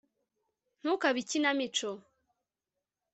ntukabe ikinamico